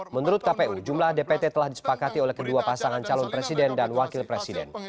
menurut kpu jumlah dpt telah disepakati oleh kedua pasangan calon presiden dan wakil presiden